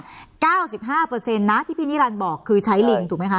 เก้าสิบห้าเปอร์เซ็นต์นะที่พี่นิรันดิ์บอกคือใช้ลิงถูกไหมคะ